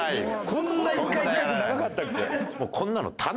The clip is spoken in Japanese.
こんな１回１回って長かったっけ。